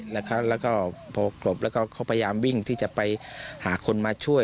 แล้วก็พอกลบแล้วก็เขาพยายามวิ่งที่จะไปหาคนมาช่วย